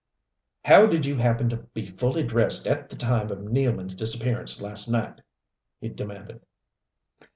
"How did you happen to be fully dressed at the time of Nealman's disappearance last night?" he demanded.